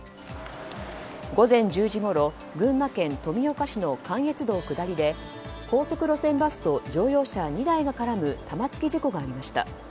午前１０時ごろ群馬県富岡市の関越道下りで高速路線バスと乗用車２台が絡む玉突き事故がありました。